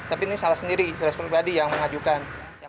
tapi ini sales sendiri sales pribadi yang mengajukan